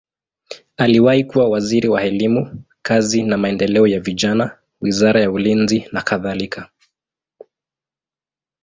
Aliwahi kuwa waziri wa elimu, kazi na maendeleo ya vijana, wizara ya ulinzi nakadhalika.